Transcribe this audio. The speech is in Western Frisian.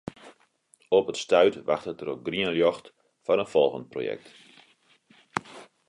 Op it stuit wachtet er op grien ljocht foar in folgjend projekt.